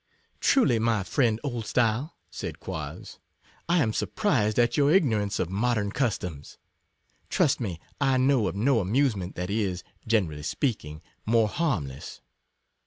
Truly, my friend Oldstyle, said Quoz, I am surprised at your ignorance of modern customs ; trust me, I know of no amusement that is, generally speaking, more harmless.